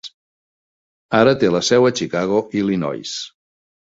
Ara té la seu a Chicago, Illinois.